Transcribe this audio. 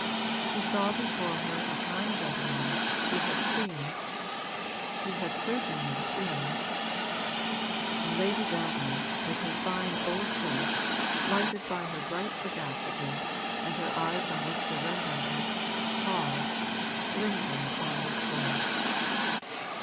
She saw before her a kind gentleman who had seemed who had certainly seemed ' And Lady Davenant, with her fine old face lighted by her bright sagacity and her eyes on Mr. Wendover's, paused, lingering on this word.